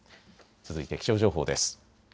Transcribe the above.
続いて気象情報です。